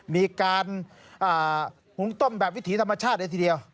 มีการหุงต้มแบบวิถีธรรมชาติเลยทีเดียว